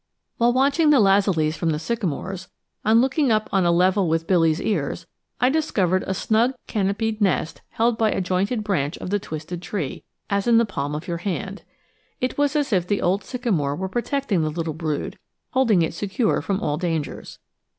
While watching the lazulis from the sycamores, on looking up on a level with Billy's ears, I discovered a snug canopied nest held by a jointed branch of the twisted tree, as in the palm of your hand. It was as if the old sycamore were protecting the little brood, holding it secure from all dangers.